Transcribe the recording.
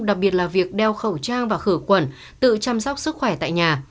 đặc biệt là việc đeo khẩu trang và khởi quẩn tự chăm sóc sức khỏe tại nhà